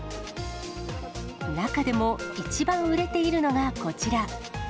中でも一番売れているのがこちら。